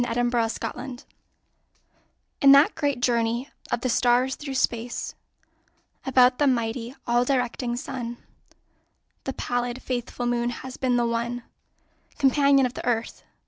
A SOLAR ECLIPSE In that great journey of the stars through space About the mighty, all directing Sun, The pallid, faithful Moon has been the one Companion of the Earth.